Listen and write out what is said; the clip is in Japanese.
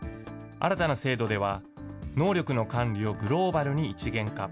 新たな制度では、能力の管理をグローバルに一元化。